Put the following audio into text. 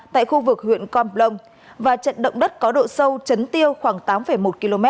tại khu vực huyện con plông và trận động đất có độ sâu trấn tiêu khoảng tám một km